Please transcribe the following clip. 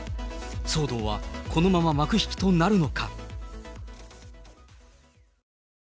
騒動はこのまま幕引きとなるのか。